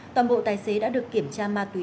toàn bộ tài xế đã được kiểm tra ma túy